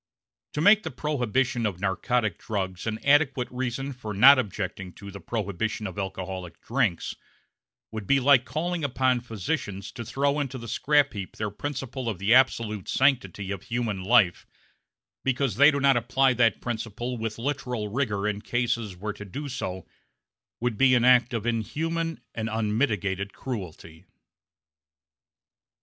To make the prohibition of narcotic drugs an adequate reason for not objecting to the prohibition of alcoholic drinks would be like calling upon physicians to throw into the scrap heap their principle of the absolute sanctity of human life because they do not apply that principle with literal rigor in cases where to do so would be an act of inhuman and unmitigated cruelty.